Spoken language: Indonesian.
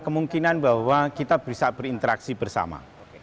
kemungkinan bahwa kita bisa berinteraksi bersama